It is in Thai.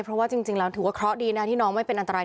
เพราะว่าจริงแล้วถือว่าเคราะห์ดีนะที่น้องไม่เป็นอันตราย